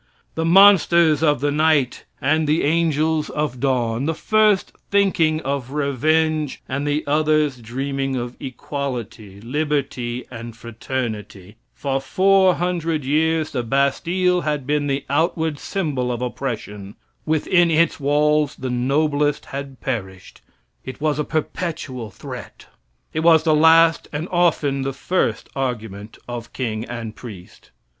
The monsters of the night and the angels of dawn the first thinking of revenge and the others dreaming of equality, liberty and fraternity. For 400 years the Bastille had been the outward symbol of oppression. Within its walls the noblest had perished. It was a perpetual threat. It was the last and often the first argument of king and priest.